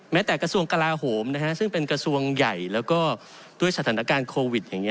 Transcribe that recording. แม้แต่กระทรวงกลาโหมซึ่งเป็นกระทรวงใหญ่แล้วก็ด้วยสถานการณ์โควิดอย่างนี้